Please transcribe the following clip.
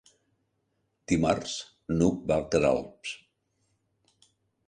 Dimarts n'Hug va a Queralbs.